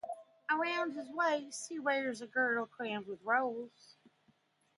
Around his waist he wears a girdle crammed with rolls.